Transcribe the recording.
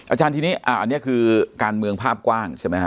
อาจารย์ทีนี้อันนี้คือการเมืองภาพกว้างใช่ไหมฮะ